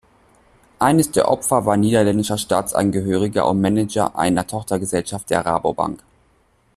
Eines der Opfer war niederländischer Staatsangehöriger und Manager einer Tochtergesellschaft der Rabobank.